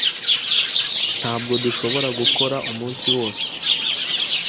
Ntabwo dushobora gukora umunsi wose.